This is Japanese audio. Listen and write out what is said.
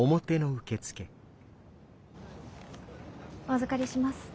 お預かりします。